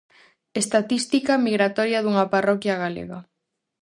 Estatística migratoria dunha parroquia galega.